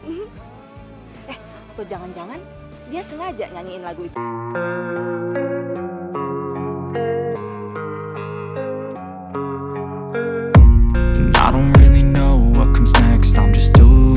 eh aku jangan jangan dia sengaja nyanyiin lagu itu